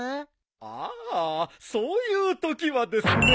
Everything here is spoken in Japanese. ああそういうときはですね。